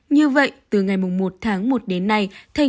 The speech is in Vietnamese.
như vậy từ ngày một tháng một